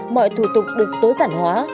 mọi thủ tục được tố giản hóa